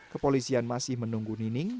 kepolisian masih menunggu nining